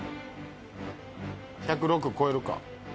１０６超えるか？